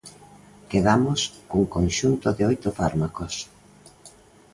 Quedamos cun conxunto de oito fármacos.